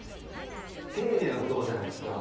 丁寧な言葉じゃないですか？